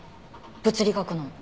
物理学の。